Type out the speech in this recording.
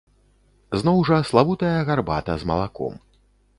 Зноў жа, славутая гарбата з малаком.